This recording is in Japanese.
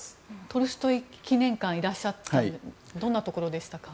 トルストイ記念館にいらっしゃったということでどんなところでしたか？